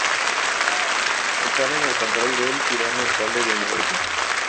Están en el control del tirano alcalde de Nueva York.